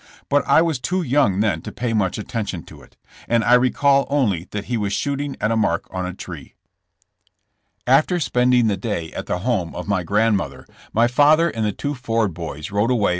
But I was too young then to pay much attention to it, and I recall only that he was shooting at a mark on a tree. After spending the day at the home of my grand mother, my father and the two Ford boys rode away 16 JESSE JAMES.